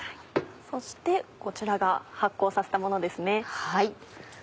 そしてこちらが発酵させたものですね。